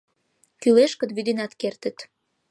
Кӱлеш гын, вӱденат кертыт.